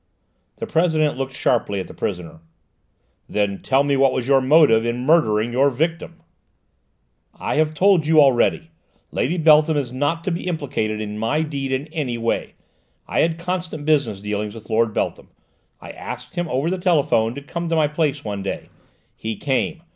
The President looked sharply at the prisoner. "Then tell me what your motive was in murdering your victim." "I have told you already! Lady Beltham is not to be implicated in my deed in any way! I had constant business dealings with Lord Beltham; I asked him, over the telephone, to come to my place one day. He came.